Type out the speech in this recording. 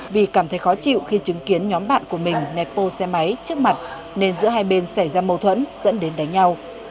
vì cảm thấy khó chịu khi chứng kiến nhóm bạn của mình nẹt bô xe máy trước mặt nên giữa hai bên xảy ra mâu thuẫn dẫn đến đánh nhau